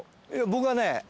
僕はね